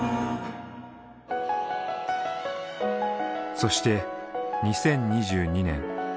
そして２０２２年。